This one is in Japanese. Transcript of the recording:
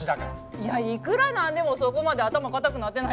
いやいくらなんでもそこまで頭固くなってないでしょ。